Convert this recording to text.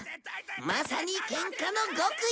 まさにケンカの極意。